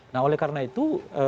nah oleh karena itu